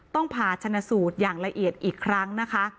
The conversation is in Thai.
ผ่าชนะสูตรอย่างละเอียดอีกครั้งนะคะ